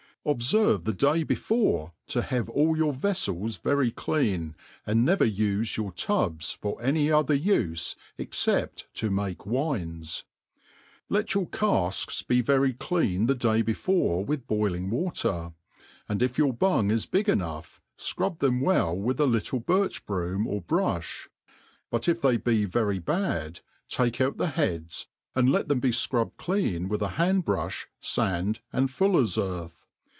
Qbfervc the day before to have all your veffels yefy cljjan, and iicver ufe your tubs for any other ufe except to make wines. .' X Ut 30* THE AIT OF COOKERY Jjtt your calks be very cfeto the day before with bdling wa^ itr^ tod if your buog is big enough, fcriib them well with a Cttlc birch broom or bru(h; but if they be vei^ bad, take out the headi, and let them be fcrobbed clean with a hand brulb, fiuid, and fullers earth.